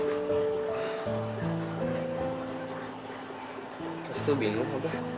terus tuh bingung pak